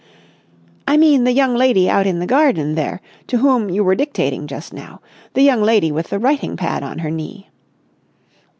"I mean the young lady out in the garden there, to whom you were dictating just now. The young lady with the writing pad on her knee."